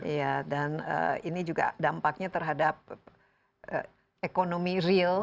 iya dan ini juga dampaknya terhadap ekonomi real